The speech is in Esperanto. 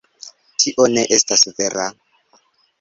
Tio ne estas vera.